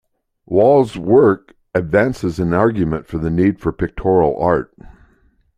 Wall's work advances an argument for the need for pictorial art.